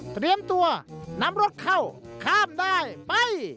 เตรียมตัวนำรถเข้าข้ามได้ไป